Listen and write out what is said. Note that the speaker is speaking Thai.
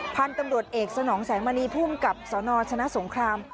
พันธุ์ตำรวจเอกสนองแสงมณีภูมิกับสนชนะสงคราม